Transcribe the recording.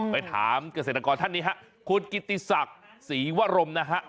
ไปถามเกษตรกรท่านนี้ฮะคุณกิติศักดิ์ศรีวรมนะฮะ